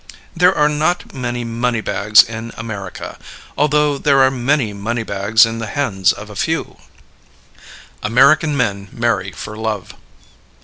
There are not many money bags in America, although there are many money bags in the hands of a few. American Men Marry for Love.